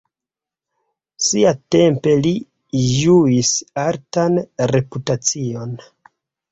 Siatempe li ĝuis altan reputacion.